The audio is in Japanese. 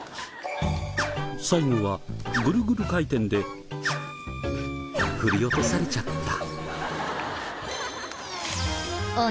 最後はグルグル回転で振り落とされちゃった。